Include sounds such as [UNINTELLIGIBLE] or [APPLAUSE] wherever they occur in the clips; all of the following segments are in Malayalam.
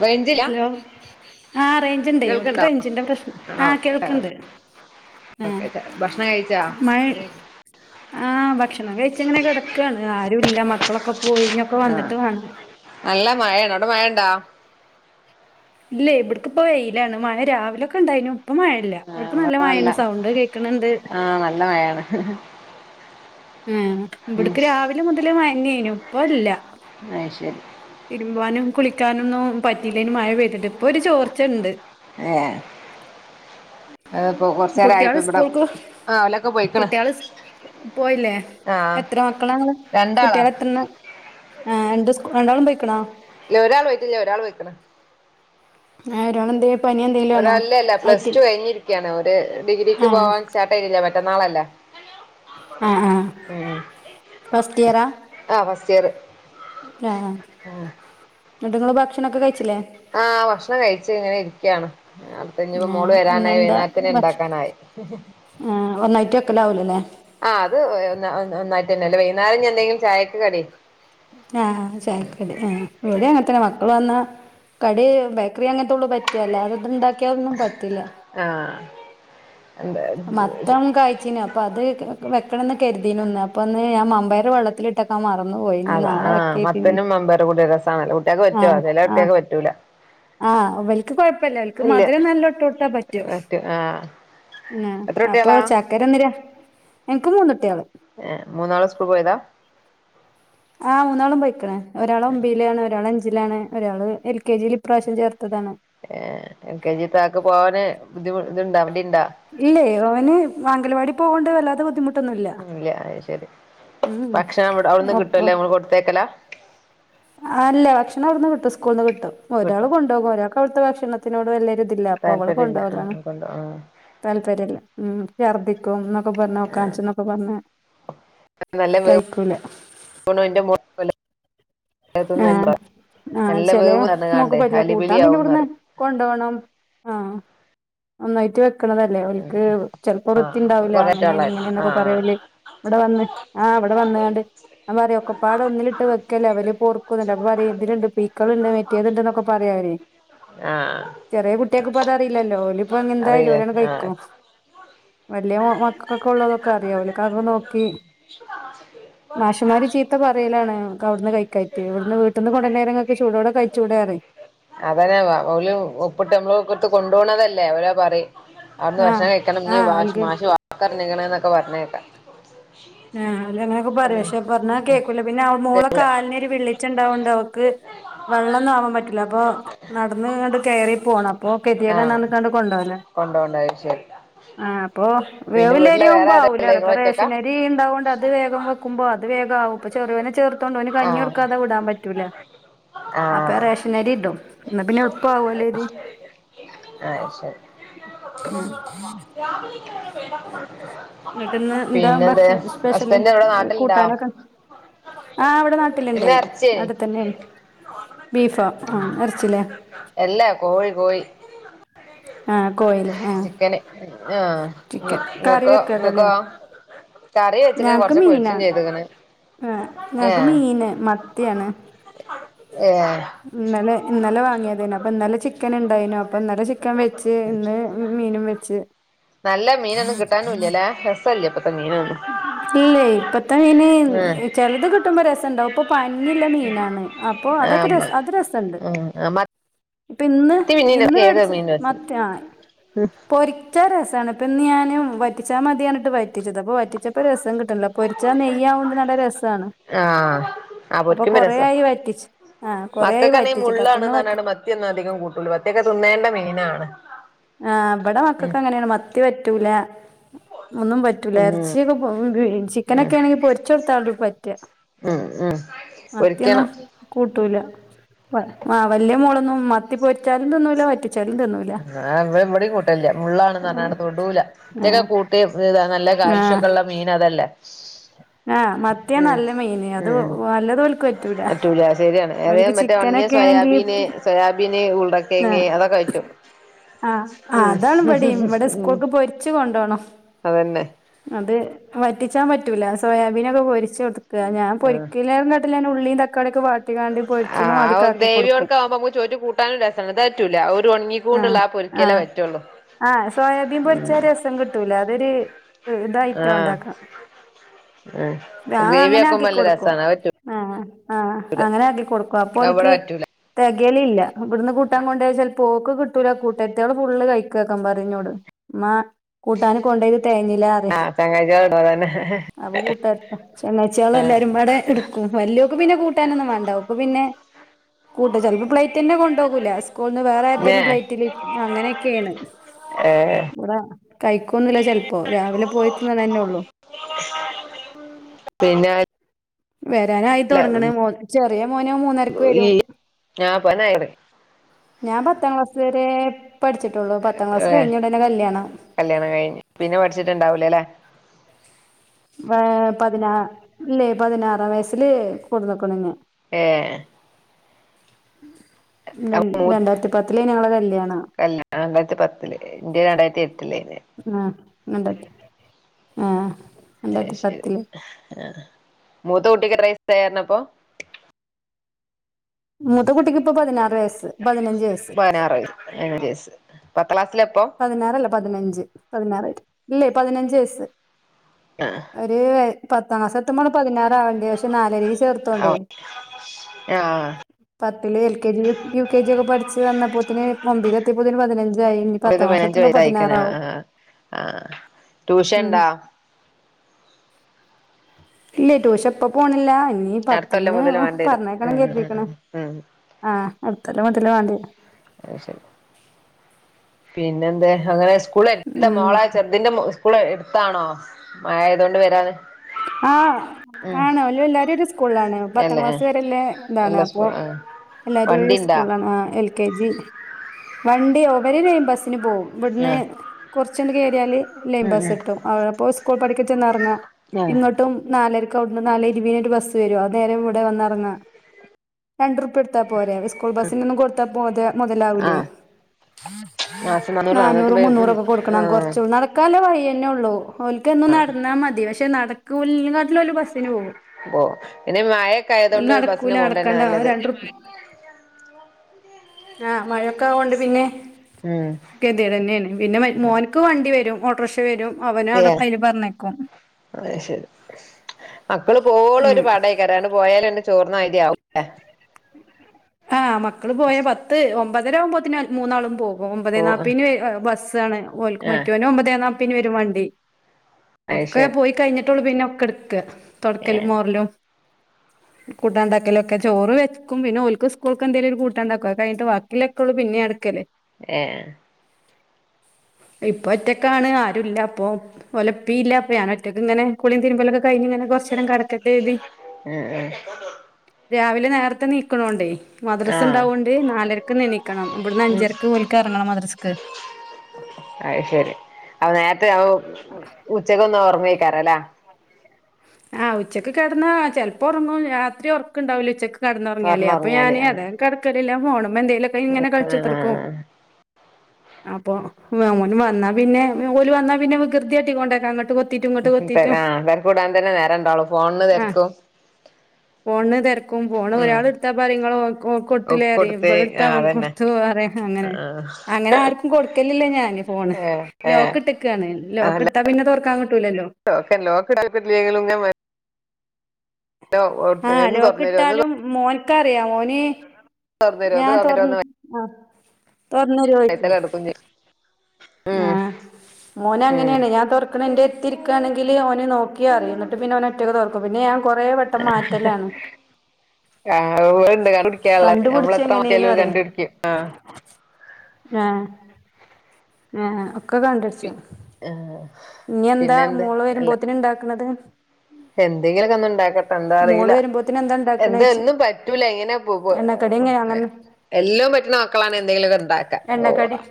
റേഞ്ചില്ല ഹലോ ആ റേഞ്ചിണ്ട കേൾക്കണ്ടോ റേഞ്ചിന്റെ പ്രശ്നം ആ ആഹ് ഓക്കെ കേൾക്കണ്ട് ആ ഓക്കെ ഭക്ഷണം കഴിച്ചാ ആഹ് ഭക്ഷണം കഴിച്ചിങ്ങനെ കിടക്കയാണ് ആരുല്ല മക്കളൊക്കെ പോയിഞ്ഞൊക്കെ ആ വന്നിട്ട് വേണം നല്ല മഴാണ് അവിടെ മഴ ഇണ്ടാ ഇല്ലയ് ഇവിടക്ക്പ്പോ വെയിലാണ് മയ രാവിലോക്കെ ഉണ്ടായിനു അപ്പൊ മഴല്ല അവ്ടക്ക് നല്ല മഴണ്ട് സൗണ്ട് കേൾക്കണണ്ട് ആഹ് നല്ല മഴയാണ് ഏഹ് ഉം ഇവിടക്ക് രാവിലെ മുതല് മഴനെന്നു ഇപ്പ ഇല്ല അയ്ശരി തിരുമ്പാനും കുളിക്കാനോന്നും പറ്റിയില്ലേനിം മഴ പെയ്തിട്ട് ഇപ്പൊ ഒരു ചോർച്ചണ്ട് ഏഹ് കുട്ടിയാള് സ്കൂൾക്ക് ആ ഓലൊക്കെ പോയിക്കണ് കുട്ടിയാൾ സ്‌കൂ പോയില്ലേ ആ എത്ര മക്കളാ ങ്ങൾ രണ്ടാളാ കുട്ടിയാൾ എത്രണാ ആ രണ്ട് രണ്ടാളും പോയിക്ക്ണോ ഇല്ല ഒരാളോയിട്ടില്ല ഒരാൾ പൊയ്ക്ക്ണ് ആ ഒരാളെന്തായ് ഒര് അല്ലല്ല പ്ലസ് ടു കഴിഞ്ഞിരിക്കയാണ് ഒരു ഡിഗ്രിക്ക് ആഹ് പോവാൻ സ്റ്റാർട്ട് ആയില്ല മറ്റന്നാളല്ലേ ആഹ് ആഹ് ഫസ്റ്റ് ഇയറാ ആഹ് ഫസ്റ്റിയറ് ആഹ് ഇന്ന്ട്ട് ഇങ്ങള് ഭക്ഷണൊക്കെ കഴിച്ച്ലേ ആഹ് ഭക്ഷണം കഴിച്ചിങ്ങനെ ഇരിക്കാണ് പ്പഞ് ഇപ്പോ മോള് ആഹ് വരാനായി ഇന്നെന്താ വൈനാരത്തിന് ഭക്ഷ ഇണ്ടാക്കാനായി ആഹ് ഒന്നായിട്ട് വെക്കലാവൂലല്ലേ ആഹ് അത് ഒന്നായിട്ട് തന്നെ അല്ലേ വൈകുന്നേരം ഞെന്തേലും ചായക്ക് കടി ആഹ് ചയക്കടി ആഹ് ഇവടിം അങ്ങനെത്തന്നെ മക്കൾ വന്ന കടി ബേക്കറി അങ്ങനത്തെള്ളൂ പറ്റ അല്ലാതെ ഇത് ഇണ്ടാക്കിയാന്നും പറ്റില്ല ആഹ് എന്താ മത്തം കാഴ്ച്ചീന് അപ്പൊ അത് വെക്കണന്ന് കരുതിനുന്നു അപ്പൊന്ന് ഞാൻ മമ്പയർ വെള്ളത്തില് ട്ടെക്കാൻ മറന്നു പോയി ഇഞ് അതാ നാളെ ആഹ് വെക്കാര്തിനി മത്തനും മമ്പയറും ആഹ് ആഹ് കിട്ടൂല ആഹ് ഇവൽക്ക് കൊഴപ്പില്ല ഇവൽക്ക് ഇല്ല മധുരം നല്ലോം ഇട്ട് കൊടുത്ത പറ്റും പറ്റു ആഹ് ആഹ് എത്ര അപ്പൊ കുട്ടികളാ ചക്കരന്നേര ഇൻക്ക് മൂന്ന് കുട്ട്യാള് ഏഹ് മൂന്നാളും സ്കൂൾ പോയതാ ആഹ് മൂന്നാളും പോയിക്ണ് ഒരാൾ ഒമ്പെയ്ലാണ് ഒരാൾ അഞ്ചിലാണ് ഒരാൾ എൽ കെ ജിയില് ഇപ്രാവിശ്യം ചേർത്തതാണ് ഏഹ് എൽ കെ ജി താക്ക് പോവാന് ബുദ്ധിമു ഇതുണ്ടാ മടിണ്ടാ ഇല്ലേയ് ഓന് അംഗലവാടി പോവ് ണ്ട് വല്ലാതെ ബുദ്ധിമു ട്ടൊന്നുല്ല അത് ശരി ഉം ഉം ഭക്ഷണം അവിടുന്ന് കിട്ടുവല്ലേ നമ്മള് കൊടുത്തേക്കലാ ആഹ് അല്ല ഭക്ഷണം അവിടുന്ന് കിട്ടും സ്കൂളിൽന്ന് കിട്ടും ഒരാൾ കിട്ടും കൊണ്ട്പോകും ഒരാൾക്ക് അവിടുത്തെ ഭക്ഷണത്തിനോട് വല്യരുതില്ല അപ്പൊ അവൾള് താല്പര്യല്ല കൊണ്ടോവലാണ് ആഹ് കൊണ്ട് ആഹ് താല്പര്യല്ല ഉം ഛർദിക്കുന്ന് ഒക്കെ പറഞ്ഞ് ഓക്കൻച്ചുന്നൊക്കെ പറഞ്ഞ് കഴിക്കൂല ഓണും അയിന്റെ [UNINTELLIGIBLE] ആഹ് ആഹ് നല്ല ചെലേ വേവ് മോക്ക് പറഞ്ഞ്കാണ്ടേ പറ്റൂല്ല അലിപിലി കൂട്ടാൻ പിന്നെ ഇവിടുന്ന് ആവുന്നറിം കൊണ്ടോവണം ആഹ് ഒന്നായിട്ട് വെക്ക്ണതാ ലേ ഉം ഓൽക്ക് ചെലപ്പോ വൃത്തി ആഹ് ഉണ്ടാവൂല അങ്ങനെയാണ് കൊറേറ്റാളെ ഇങ്ങനെന്നൊക്കെ ആഹ് പറയോള് ഇവിടെ വന്ന് ആഹ് ഇവിടെ വന്ന്ങ്ങാണ്ട് ഞാൻ പറയും ഒക്കെപ്പാടെ ഒന്നിലിട്ട് വെക്കല്ലേ വല്യ പൊർ ചെലേപം പറയും ഇതിൽ പുഴിക്കള്ണ്ട് മറ്റേത് ഇണ്ട്ന്നൊക്കെ പറയാവരേ ആഹ് ചെറിയ കുട്ട്യേക്ക് ഇപ്പ അതറീലല്ലോ ഓൽ ഇപ്പോ ഇഞ് എന്തായാലും അറിയില്ലേ ഓലട് ആഹ് ക്കും വലിയ മക്കകോക്കെ ഉള്ളതൊക്കെ അറിയും ഓൽക് അതും നോക്കി മാഷമാര് ചീത്ത പറയലാണ് ഒക്കവുട്ന്ന് കഴിക്കാ ഞ്ഞ് ഇവിട്ന്ന് വീട്ട്ന്ന് കൊണ്ടര്ന നേരം ഇങ്ങക്ക് ചൂടോടെ കഴിച്ചൂടേറിം അതെന്നെ വ ഓല് ഒപ്പിട്ട് നമ്മള്ത്ത് കൊണ്ടു പോണതല്ലേ അവരത് പറിം അവിടുന്ന് ആഹ് ഭക്ഷണം കഴിക്കണം ഇഞ് ആഹ് മാഷ് ഓൽക്ക് മാഷ് വാക്കറിഞ്ക്ക്ണ് ന്നൊക്കെ പറഞ്ഞെ കേക്കാ ആഹ് ഓല് അങ്ങനൊക്കെ പറയും പക്ഷെ പറഞ്ഞാ കേക്കൂല പിന്നെ അവ മോളെ കാൽന് ഒര് വിള്ള ച്ചണ്ടാവോണ്ട് അവക്ക് വെള്ളൊന്നും ആവാൻ പ റ്റൂല്ല പ്പൊ നടന്ന് ആണ്ട് കയറി പോണം അപ്പൊ കെതിയേടാണ്ന്ന് പർഞ്ഞ്ക്കാണ്ട് കൊണ്ടോവല കൊണ്ടോണ്ടായി ആഹ് അപ്പൊ വീട്ടില് വേറെ വേവ്ള്ളരിയാവുമ്പോ ആരാ ആവൂല ഇള്ളെ ഇത്പ്പൊ ഇങ്ങളൊറ്റക്കാ റേഷനരി തീ ഉണ്ടാവുകൊണ്ട് അ വേഗം വെക്കുമ്പോ അത് വേഗ ആവും ഇപ്പ ചെറുനെ ചേർത്തോണ്ട്. ആഹ് കഞ്ഞിക്കൊടുകതെ വിടാൻ പറ്റൂല്ല. അപ്പൊ ആഹ് റേഷനരി കിട്ടും. എന്നാ പിന്നെ ഉളുപ്പവുല്ല. അഹ് ത് ഉ രാവിലെയേക്ക് പേടതത്പറ എന്നിട്ട്ന്ന് എന്താ ഭക്ഷണം സ്പെഷ്യല ഹസ്ബൻഡ് എവിടെ നാട്ടിലുണ്ടാ കൂട്ടാനൊക്കെ ആ് അവിടെ നാട്ടിലുണ്ട് ഇന്ന് ഇറച്ചിയേനി നടുത്തന്നെ ബീഫോ ആ ഇറച്ചിലേ. എല്ല കോഴി കോഴി ആ കോഴില്ലേ ആ ചിക്കന് ആ ചിക്കൻ കറി നിങ്ങക്ക നിങ്ങക്ക വെക്കക്കല്ലേ [INAUDIBLE] കറി വെച്ചിക്ണ് ഞങ്ങക്ക് കുറച്ച് പൊരിച്ചും മീനാണ് ചെയ്ത്ക്ണ്. ആ ഞങ്ങക്ക് മീന് മത്തിയാണ്. ഏഹ് ഇന്നലെ ഇന്നലെ വാങ്ങിയതേ അപ്പൊ ഇന്നലെ ചിക്കൻ ഉണ്ടായിനു അപ്പൊ ഇന്നലെ ചിക്കൻ വെച്ച് ഇന്ന് മീനും വെച്ച്. നല്ല മീനൊന്നും കിട്ടാനുമല്ലല്ലേ രസ ഇല്ല ഇപ്പത്തെ മീനൊന്നും. ഇല്ലേ ഇപ്പത്തെ മീന് ആഹ് ചിലത് കിട്ടുമ്പോ രസംമുണ്ടാവും ഇപ്പൊ പഞ്ഞിള്ള മീനാണ് അപ്പോ അതൊക്കെ രസട് അത് രസണ്ട്. ഉ മ ഇപ്പൊ ഇന്ന് ഇന്ന് മേടിച്ച് മീനും രസാ മറ്റേ പൊ ഉ രസമാണ് ഇപ്പൊ ഞാന് വറ്റിച്ചാ മതി വറ്റിച്ചത്. അപ്പോ വ വറ്റിച്ചപ്പോ രസം കിട്ട്ണ്ല്ല പൊരിച്ചാ നെയ്യ് ആവൊണ്ട് നല്ല രസമാണ്. ആഹ് ആ പോരിക്കുബം രസം വറ്റിച്ച് ആ കൊറേ ആയി മക്കൾക്കണകിൽ വറ്റിച്ചിട്ട് അപ്പൊ മുള്ളാണ്. ഇന്ന് വറ്റി പറഞ്ഞി മതിയൊന്നും അധികം കൂട്ടതതില. പുൽവത്തിയൊക്കെ തിന്നോണ്ട മീനാണ്. ആ അവിടെ ഉം മക്കൊക്ക് അങ്ങനെയാണ് മത്തി പറ്റൂല. ഒന്നും പറ്റ ഉ ചിക്കന് നൊക്കെ ആണെങ്കിൽ പൊരിച്ച കൊടുത്താലൽ പറ്റ. ആ മത്തിയൊന്നും പോരിക്കണം. കൂട്ടൂല വലിയ മോളൊന്നും മത്തി പോരിച്ചാലും തിന്നുല്ല വറ്റിചലും ചരി തന്ന ആ ഇവിടെ ഇവിടിം കൂട്ടല്ലില മുള്ളാണ് പറഞ്ഞട് തോടുല. ഒറ്റയൊക്കെ ആഹ് കൂട്ടി ഇ നല്ല ആഹ് കാൽഷ്യൊക്കെള്ള മീൻ അതല്ലേ ആഹ് മത്തിയാ ഉ നല്ല മീന് ഉ അത് ഉ അല്ലത് ഓൽക്ക് പറ്റൂല ഉം ശ്ശേരിയാണ് ഏറെ ഓൽക്ക് മറ്റ ഉണങ്ങിയ ചിക്കനൊക്കെ ആണെങ്കി സോയാബീന് സോയാബീന് ഉരുളക്കിഴങ്ങ് ആഹ് അതൊക്കെ പറ്റും. ആഹ് ആ ഉം അതാണ് ഇവടിം ഇവിടെ ഉം സ്കൂൾക്ക് പൊരിച്ച് കൊണ്ടോണം. അതന്നെ അത് വറ്റിച്ചാൻ പറ്റൂല സോയാബീനൊക്കെ പൊരിച്ച് കൊടുക്കുക. ഞാൻ ആഹ് പൊരിക്കില്ലായി ഉള്ളീം തക്കാളിംഒക്കൊ വണ്ടിങ്ങട് ആ പോരിചിണ മതി ആ ദേവിയോട്ക്ക ആവുമ്പോ നമുക്ക് ചൊറ്റ് കൂട്ടാനും രസണ് ഇത്പറ്റൂല ആ ഒരു ഉണങ്ങിങ്ങു ണ്ടുള്ള ആ പൊരിക്കലേ പറ്റുള്ളൂ. ആഹ സോയാബീൻ പൊരിച്ചാ രസം കിട്ടൂല അതൊര്. ആഹ് ആഹ് ഞാൻ ഗ്രേവി അങ്ങനെ ആക്കുമ്പോ ആക്കി നല്ല കൊടുക്കും രസാണ് അത് പറ്റൂ ആഹ ആഹ അങ്ങനെ ആക്കി കൊടുക്കും അത് അപ്പോൽക് ഇവിടെ പറ്റൂല തികല ഇല്ല ഇവിടടുന്ന് കൂട്ടൻ കൊണ്ടയ ചിലപ്പോ ക്ക് കിട്ടൂല കൂട്ടര് എത്തോള് ഫുള്ള് കഴിക്കക്കാ പറിംഞ്ഞോട്. മ്മ കൂട്ടാന് കൊണ്ടോയത് തേഞ്ഞില്ല. [UNINTELLIGIBLE] അപ്പൊ കൂട്ടോര്ത്ത ചങ്ങായിച്ചാൾ എല്ലാരുംപാടെ എടുക്കും വല്യോക്ക് പിന്നെ കൂട്ടാനൊന്നും വേണ്ട ഓക്ക് പിന്നെ കൂട്ട് ചിലപ്പോ പ്ലേറ്റ് തന്നെ കൊണ്ടോവുല സ് കൂള്ന്ന് വേറെ പിന്നെ ആരതേലും പ്ലേറ്റില് അങ്ങനെയൊക്കെയാണ് ഏഹ് ഇവിടെ കഴിക്കോന്നില്ല ചെിൽപ്പോ രാവിലെ പോയി തിന്നെണെന്നെ ഉള്ളൂ പിന്നെ വരാനായി അല്ല തൊടങ്ങണ് മോത്ത് ചെറിയ മോനോ മൂന്നരക്ക് ഈ വരും ഞാൻ പനായിടെ ഞാൻ പത്താം ക്ലാസ് വരെ പഠിച്ചിട്ടുള്ളൂ പത്താം ക്ലാസ് ഏഹ് കഴിഞ്ഞടനെ കല്യാണം കല്യാണം കയിഞ്ഞ് പിന്നെ പഠിചിട്ട്ട്ടുണ്ടാവൂലല്ലേ വേ പതിനാ ഇല്ലേ പതിനാറാം വയസില് കൊടുന്ന്ക്കിണുന്നെ ഏഹ് ര അപ്പൊ രണ്ടായിരത്തി പത്തിലേനി ഞങ്ങള കല്യാണം ആഹ് രണ്ടായിരത്തി പത്തില്ല് ഇൻ്റെ രണ്ടായിരത്തി എട്ടിലേനി ആഹ് ന്നിട്ട് ആഹ് രണ്ടായിരത്തി അയിശരി പത്തില് ആഹ് മൂത്ത കുട്ടിക്ക് എത്ര വയസ്സായി എന്നപ്പൊ മൂത്ത കുട്ടിക്ക് ഇപ്പൊ പതിനാറ് വയസ്സ് പതിനഞ്ച് വയസ്സ് എസ് പത്ത് ക്ലാസ്സിലെപ്പോ പതിനാറല്ല പതിനഞ്ച് പതിനാറായി ഇല്ലേ പതിനഞ്ച് വയസ്സ് അഹ് ആഹ് ഒര് വയ് പത് ത്തമാസത്തുമ്പള് പതിനാറാവണ്ട്യ പക്ഷെ നാലരെ ചേർത്തോണ്ട് ആഹ് ആഹ് പത്തില് L K G U K G ഒക്കെ പഠിച്ച് വന്നപ്പോത് ന് ൺമ്പിലെത്തിയപ്പോന് പതിനഞ്ചായി ഇത് പത്താം ക്ലാസ് പതിനഞ്ച എത്തുമ്പോ വയസായിക്കണ് പതിനാറാവും ആഹ് ആഹ് അഹ് ട്യൂഷൻ ഉം ഇണ്ടാ ഇല്ലേ ട്യൂഷ്യ ഇപ്പൊ പോണില്ല ഇനി അടുത്ത കൊല്ലം പത്തിന് മുതല് ഒഹ് വേണ്ടി വരും പറഞ്ഞേക്കണം ഉം കര്തീക്ണ് ഉം ഉം ആഹ് അടുത്തല്ല മുതലേ വേണ്ടി അയിശെരി പിന്നെ എന്താ അങ്ങനെ സ്കൂളെ എത്ത ഉം മോളെ ചെറുതിന്റെ മു സ്കൂളെ എടുത്താണോ മയായതോണ്ട് വരാന് ആഹ് ഉം ആണോ ഓലു എല്ലാരും ഒരു സ്കൂളാണ് പത്താം അല്ലേ ക്ലാസ് വരെല്ല ഇതാണ് എല്ലാ അപ്പൊ സ്കൂൾ ആ എല്ലാരും ഒരേ വണ്ടിണ്ടാ സ്കൂളാണ് എൽ കെ ജി വണ്ടി ഇവര് ലൈൻ ബസ്സിന് പോവും ആ ഇവിടുന്ന് കുറച്ചണ്ട് കേറിയാല് ലൈം ഉം പസ് കിട്ടും അവിടെപ്പോൾ സ്കൂൾ പഠിക്ക ചെന്ന് ഇറങ്ങാം ഉം എട്ടും നാലരക്കവ്ട്ന്ന് നാലേ ഇരുവെയ്നൊരു ബസ്സ് വരും അത് നേര ഇവിടെ വന്ന് എറങ്ങ രണ്ട്രു പ്യടുത്താ പോരെ സ്കൂൾ ബസ്സിനൊന്നും കൊടുത്താ പോ മുതലാവൂല്ലേ ആഹ് മാസം നാന്നൂറ് നാനൂറ് നാന്നൂറ്റിമ്പത് ഉം മുന്നൂറൊക്കെ കൊടുക്കണം ആഹ് കുറച്ച് നട ക്കാൻള്ള വയിയെന്നുള്ളു ഓല്ക്കെന്നു ആഹ് നടന്നാ മതി പക്ഷെ നടക്കുല ല ഓല് ബസ്സ്ന് പോവു പോ പിന്നെ മഴയൊക്കെ ഓല് ആയതുകൊണ്ട് നടക്കൂല ബസ്സിന് പോണ്ടന്നെ നടക്കാണ്ട നല്ലത് രണ്ടുറ്പ് [INAUDIBLE] ആഹ് മഴയൊക്കെ ആയൊണ്ട് പിന്നെ ഉം ഗതിടെന്നെയാണ് പിന്നെ മോൻ ഇക്ക് വണ്ടി വരും ഓട്ടോറിക്ഷ വരും അവന അവിടെ അയില് പറഞ്ഞയ്ക്കും അയി ശരി മക്കള് പോവോളു ഒരു ഉം പടയികരാണ് പോയാലന്ന ചോർന്നാരിയാവും ആഹ് മക്കള് പോയ പത്ത് ഒമ്പതര ആകുമ്പോത്തിനു മൂന്നാളും പോകും ഓമ്പതേ പോ നാപ്പയ്ന് വെ ബസ്സാണ് ഓൽക് ആഹ് മറ്റൊനും ഒമ്പതേ നാപ്പയ്ന് വരും വണ്ടി അത് ഒക്കെ ശരി പോയി കഴിഞ്ഞിട്ടുള്ളൂ പിന്നെ ഒക്കെ എടുക്ക തൊടക്കലും ഏഹ് മോറലും കുട്ടാണ്ടക്കലൊക്കെ ചോറ് വെക്കും പിന്നെ ഓൽക്ക്സ് കൂൾക്കെന്തെലൊര് കൂട്ടണ്ടാക്കു അത് കയിഞ്ഞിട്ട് ബാക്കിലൊക്കെള്ളൂ പിന്നെ ഞാൻ ട്ക്കല് ഏഹ് ഇപ്പൊ ഒറ്റക്കാണ് ആരുല്ല അപ്പൊ ഒലെപ്പേം ഇല്ല അപ്പൊ ഞാൻ ഒറ്റക്ക് ഇങ്ങനെ കുളീം തിരുമ്പലൊക്കെ കഴിഞ്ഞിങ്ങനെ കൊറച്ചേരം കെടക്കട്ടെര്തി ഉം ഉം രാവിലെ നേരത്തെ എണീക്കണോണ്ടേ മദ്രസ്സ് ആഹ് ഉണ്ടാവുകൊണ്ട് നാലരക്ക് എണീക്കണം ഇവിടുന്ന് ഉം അഞ്ചരക്ക് ഓലിക്ക് എറങ്ങണം മദ്രസ്സക്ക് അയ് ശരി അപ്പ നേരത്തെ [UNINTELLIGIBLE] ഉച്ചക്കൊന്ന് ഒറങ്ങു ആയിക്കാരം ല്ലേ ആഹ് ഉച്ചക്ക് കെടന്നാ ചെലപ്പം ഒറങ്ങും രാത്രി ഒറക്ക് ഇണ്ടാവില്ല ഉച്ചക്ക് കെടന്നൊറങ്ങിയാലേ അപ്പൊ കെടന്നൊറങ്ങിയാല് ഞാന് അതാ ഞാൻ കെടക്കലില്ല ഫോണുമ്മേ എന്തേലൊക്കെ ഇങ്ങനെ ആഹ് കളിച്ചുത്തിർക്കും അപ്പൊ ഓന് വന്നാ പിന്നെ ഓല് വന്നാ പിന്നെ വികൃതിയാട്ടി കൊണ്ടെക്കാ അങ്ങട്ട് ഇങ്ങട്ട് കൊത്തീറ്റും ഉം കൊത്തീറ്റും ആഹ് തെരക്കൂടാൻ തന്നെ നേരം ഇണ്ടാവുള്ളൂ ഫോണിന് ആഹ് തെരക്കും ഫോണിന് തെരക്കും ഫോണ് ഉം ഒരാള് എടുത്താ പറയും ഇങ്ങള് ഓ ഓക്ക് കൊടുത്തില്ലേ ഒക്കെ പറയും കൊടുത്ത് ഇബള് എടുത്താ ആഹ് ഇബള്ക്ക് കൊട് അതന്നെ ത്തു പറയും അങ്ങനെ ആഹ് അങ്ങനെ ആര്ക്കും കൊടുക്കലില്ലാ ഞാന് ഫോണ് ഏഹ് ഏഹ് ലോക്ക് ഇട്ടക്കാണ് ലോക്ക് അല്ല ഇട്ട് ട്ടാ പിന്നെ തൊറക്കാൻ കിട്ടൂലല്ലോ ലോക്ക് ലോക്കിടാതെ [UNINTELLIGIBLE] ആഹ് ഒന്ന് ലോക്ക് തൊറന്നരോ ഒന്ന് ഇട്ടാലും മോന്ക്കറിയാ മോന് തൊറന്നരോ ഒന്ന് ഞാൻ തൊറന്ന് തൊറന്നരോന്ന് ആഹ് വൈത്തലെ [UNINTELLIGIBLE] നടക്കും ചെയ്യും ഉം ആഹ് മോന് ഉം അങ്ങനെയാണ് ഞാൻ തൊറക്കണേന്റെ എത്തിരിക്കാണെങ്കില് ഓന് നോക്കിയാറിയും എന്നിട്ട് പിന്നെ ഓന മറ്റക്കെ തോർക്കും പിന്നെ ഞാൻ കൊറെ വെട്ടം മാറ്റലാണ് ആഹ് [UNINTELLIGIBLE] കണ്ടുപിടിക്കാനുള്ളെ കണ്ടുപിടിച്ച് നമ്മളെത്ര മാറ്റിയാലും എങ്ങനെലും ഓല് അറിയും കണ്ടു പിടിക്കും ആഹ് ആഹ് ആഹ് ഒക്കെ പി കണ്ടുടിച്ചും ആഹ് ഇനി എന്താ പിന്നെന്ത് മോള് അല്ല വരുമ്പോത്തിന് ഇണ്ടാക്കണത് എന്തെങ്കിലൊക്കെ ഒന്ന് ഇണ്ടാക്കട്ടെ എന്താ മോള് അറിയൂല്ല വരുമ്പോത്തിന് ഇണ്ടാക്കണ എന്താ ചോയ്ച്ച ഒന്നും പറ്റൂലാ എങ്ങനെ എണ്ണക്കടി എങ്ങനെ അങ്ങനെ [UNINTELLIGIBLE] എല്ലോം പറ്റുന്ന മക്കളാണ് എന്തെങ്കിലൊക്കെ ഇണ്ടാക്കാ എണ്ണക്കടി [UNINTELLIGIBLE]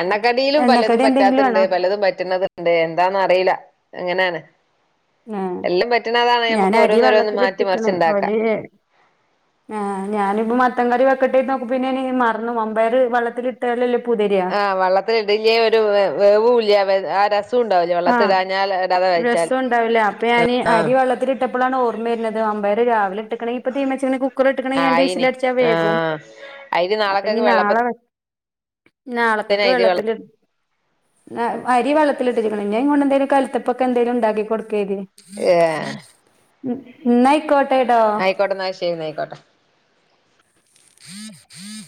എണ്ണക്കടിയിലും പലതും എണ്ണക്കടി എന്തെങ്കിലും പറ്റാത്തണ്ട് ആണോ പലതും പറ്റ് പറ്റ്ന്നത്ണ്ട് എന്താന്ന് അറിയില്ല അങ്ങനാണ് ആഹ് നമുക്ക് ഞാന് അരി ഓരോന്നോരോന്ന് മാറ്റി വെള്ളത്തിലിട്ട്ക്കണ് മറിച്ചുണ്ടാക്കാം ഓല് ആഹ് ഞാനിപ്പ മത്തൻ കറി വെക്കട്ടെ നോക്ക് പിന്നെനി മറന്നു മമ്പയറ് വെള്ളത്തിലിട്ടാലല്ലേ പുതിരാ ആഹ് വെള്ളത്തി ഇടില്ലേ ഒരു വേ വേവൂല്ലാ വെ ആഹ് രസാ ആഹ് രസോം ഇണ്ടാവില്ലാ അപ്പൊ ഞാന് ആഹ് അരി വെള്ളത്തിലിട് ട്ടപ്പളാണ് ഓർമ്മ വരുന്നത് മമ്പയറ് രാവിലെട്ട് ക്കണെ ഇപ്പൊ തീമച്ചെ കുക്കറ് ഇട്ട്ക്കണെ രണ്ട് ആയിന് വിസിലടിച്ചാ വേകും ആഹ് അരി അപ്പൊ ഇനി നാളക്കൊക്കെ നാളെ വെള്ളപ്പത്തിന് നാളത്തേക്ക് അരി വെള്ള വെള്ളത്തിലിട് ആഹ് അരി വെള്ളത്തി [UNINTELLIGIBLE] പിന്നെ അതും കൊണ്ട് കലത്തപ്പൊക്കെ എന്തേലും ഉണ്ടാക്കി കൊടുക്കേനി ഏ ഉം ഇന്നായിക്കോട്ട് ആയിക്കോട്ടെ ഇന്നാ ശരി ഇന്നാ ആയിക്കോട്ടെ ഹഹ ഹഹ